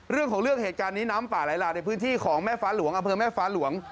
เรื่องของเรื่องเหตุการณ์นี้น้ำป่าไหลหลากในพื้นที่ของแม่ฟ้าหลวงอำเภอแม่ฟ้าหลวง